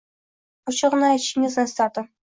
Ochigʻini aytishingizni istardim